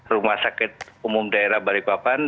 rumah sakit umum daerah balikpapan